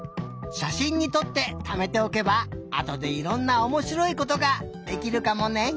しゃしんにとってためておけばあとでいろんなおもしろいことができるかもね。